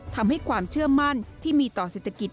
ทำให้ความเชื่อมั่นที่มีต่อเศรษฐกิจ